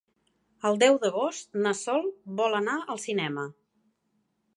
El deu d'agost na Sol vol anar al cinema.